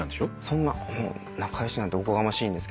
そんな仲良しなんておこがましいんですけど。